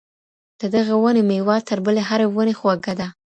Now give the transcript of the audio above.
د دغې وني میوه تر بلې هرې وني خوږه ده.